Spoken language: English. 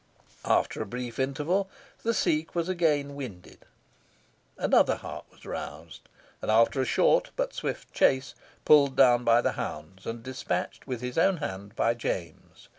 After a brief interval, the seek was again winded, another hart was roused, and after a short but swift chase, pulled down by the hounds, and dispatched with his own hand by James.